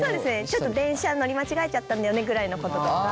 ちょっと電車乗り間違えちゃったんだよねぐらいのこととか。